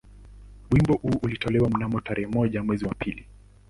Wimbo huu ulitolewa mnamo tarehe moja mwezi wa pili